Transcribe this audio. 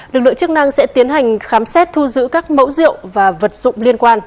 lực lượng chức năng sẽ tiến hành khám xét thu giữ các mẫu rượu và vật dụng liên quan